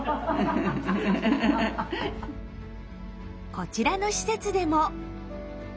こちらの施設でも。